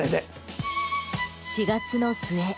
４月の末。